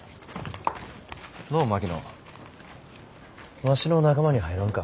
のう槙野わしの仲間に入らんか？